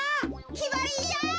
きばりぃや！